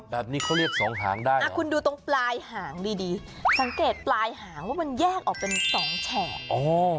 แบบนี้เขาเรียกสองหางได้คุณดูตรงปลายหางดีดีสังเกตปลายหางว่ามันแยกออกเป็นสองแฉก